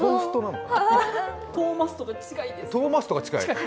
トーマストが近い。